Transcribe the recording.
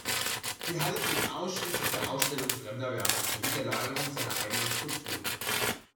Die Halle dient ausschließlich der Ausstellung fremder Werke sowie der Lagerung seiner eigenen Skulpturen.